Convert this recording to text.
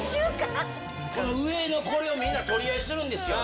上のこれ、みんな取り合いするんですよ。